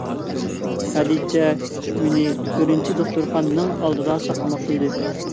خەدىچە مېنى بىرىنچى دوختۇرخانىنىڭ ئالدىدا ساقلىماقچى ئىدى.